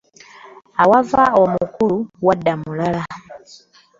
Awava omukulu wadda mulala.